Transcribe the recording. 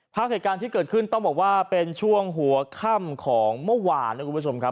ภาพเหตุการณ์ที่เกิดขึ้นต้องบอกว่าเป็นช่วงหัวค่ำของเมื่อวานนะคุณผู้ชมครับ